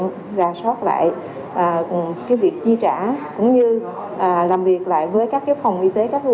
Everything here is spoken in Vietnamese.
chúng ta sót lại cùng cái việc chi trả cũng như làm việc lại với các cái phòng y tế các